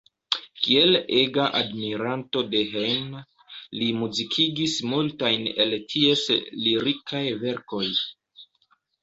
Kiel ega admiranto de Heine li muzikigis multajn el ties lirikaj verkoj.